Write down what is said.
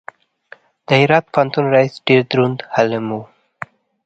د هرات پوهنتون رئیس ډېر دروند عالم و.